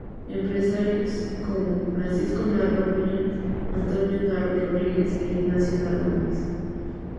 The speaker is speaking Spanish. Empresarios como Francisco Narro Acuña, Antonio Narro Rodríguez e Ignacio Narro Gómez.